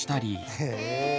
へえ！